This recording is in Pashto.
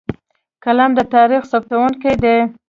قلم د تاریخ ثبتونکی دی.